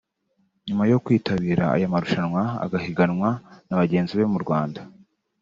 nyuma yo kwitabira aya marushanwa agahiganwa na bagenzi be mu Rwanda